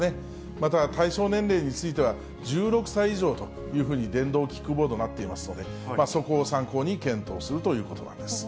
また対象年齢については、１６歳以上というふうに電動キックボード、なっていますので、そこを参考に検討するということなんです。